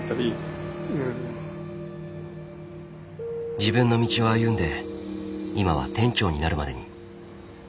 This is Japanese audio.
自分の道を歩んで今は店長になるまでに。